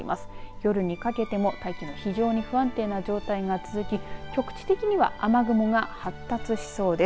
夜にかけても大気の非常に不安定な状態が続き局地的には雨雲が発達しそうです。